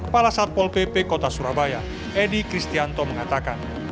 kepala satpol pp kota surabaya edi kristianto mengatakan